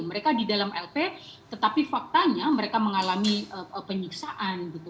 mereka di dalam lp tetapi faktanya mereka mengalami penyiksaan gitu